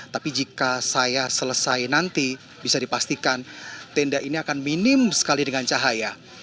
tapi jika saya selesai nanti bisa dipastikan tenda ini akan minim sekali dengan cahaya